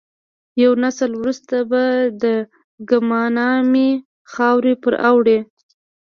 یو نسل وروسته به د ګمنامۍ خاورې پر واوړي.